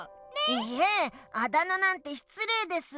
いえあだ名なんてしつれいです。